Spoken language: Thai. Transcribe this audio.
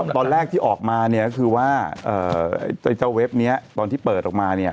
ตอนแรกที่ออกมาเนี่ยก็คือว่าเจ้าเว็บนี้ตอนที่เปิดออกมาเนี่ย